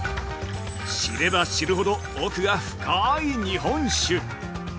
◆知れば知るほど奥が深い日本酒。